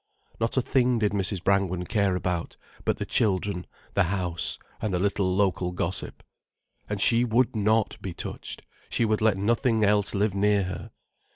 Not a thing did Mrs. Brangwen care about, but the children, the house, and a little local gossip. And she would not be touched, she would let nothing else live near her.